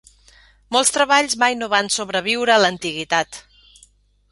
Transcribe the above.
Molts treballs mai no van sobreviure l'antiguitat.